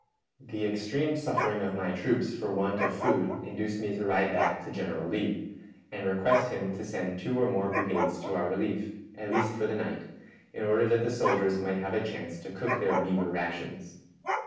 "The extreme suffering of my troops for want of food induced me to ride back to General Lee, and request him to send two or more brigades to our relief, at least for the night, in order that the soldiers might have a chance to cook their meager rations.